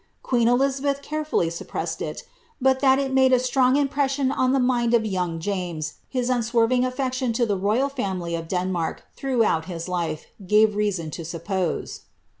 Queen Elizabeth carefully suppressed it, but that it made a strong impression on the mind of young James, his unswerving affection to the royal family of Den mark throughout his life gave reason to suppose.